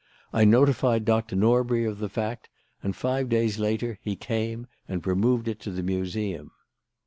I notified Doctor Norbury of the fact, and five days later he came and removed it to the Museum.